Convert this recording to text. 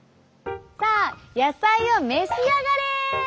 さあ野菜を召し上がれ！